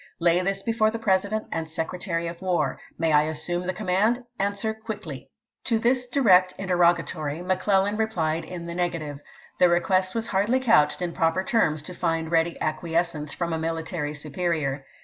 Lay this before the President voi."vii., and Secretary of War. May I assume the com " 64i'. mand? Answer quickly." To this direct interrogatory McClellan replied in the negative. The request was hardly couched in proper terms to fi.nd ready acquiescence from a military superior.